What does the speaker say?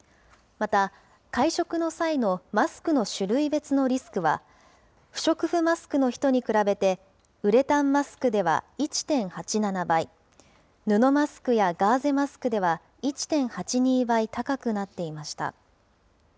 また、会食の際のマスクの種類別のリスクは、不織布マスクの人に比べて、ウレタンマスクでは１．８７倍、布マスクやガーゼマスクでは１．８２倍高くなっていました。